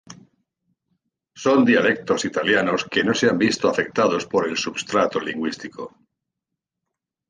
Son dialectos italianos que no se han visto afectados por el substrato lingüístico.